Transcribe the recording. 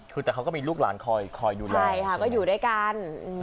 คือแต่เขาก็มีลูกหลานคอยดูแลใช่ค่ะก็อยู่ด้วยกัน